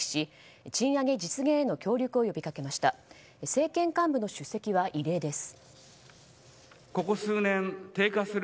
政権幹部の出席は異例です。